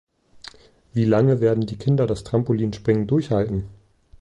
Wie lange werden die Kinder das Trampolinspringen durchhalten?